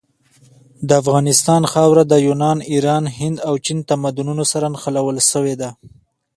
د افغانستان خاوره د یونان، ایران، هند او چین تمدنونو سره نښلول سوي ده.